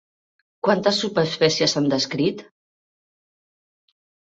Quantes subespècies s'han descrit?